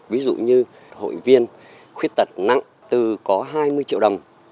ví dụ như hội viên khuyết tật nặng từ có hai mươi triệu đồng